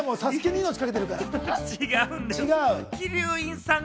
『ＳＡＳＵＫＥ』に命かけてるから。